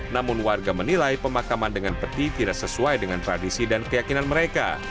namun warga menilai pemakaman dengan peti tidak sesuai dengan tradisi dan keyakinan mereka